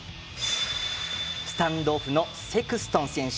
スタンドオフのセクストン選手。